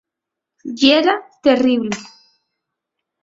Yera terrible.